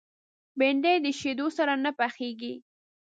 بېنډۍ د شیدو سره نه پخېږي